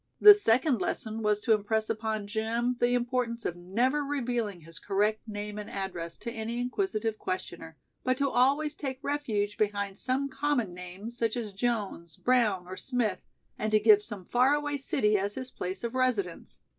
The second lesson was to impress upon Jim the importance of never revealing his correct name and address to any inquisitive questioner, but to always take refuge behind some common name such as Jones, Brown or Smith, and to give some faraway city as his place of residence.